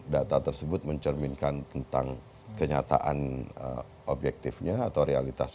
data tersebut mencerminkan tentang kenyataan objektifnya atau realitasnya